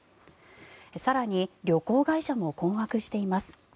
更に、旅行会社も困惑しています。